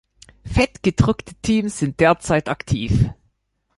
Fett gedruckte Teams sind derzeit aktiv.